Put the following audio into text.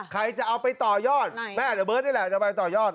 ใครจะเอาไปต่อยอดแม่แต่เบิร์ตนี่แหละจะไปต่อยอด